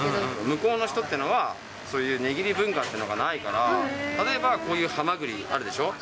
向こうの人っていうのは、そういう値切り文化っていうのがないから、例えばこういうハマグリあるでしょ？